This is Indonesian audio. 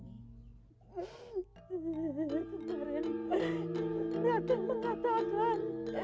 semarin ratih mengasahkan